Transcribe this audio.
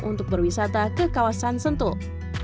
untuk berwisata ke kawasan sentul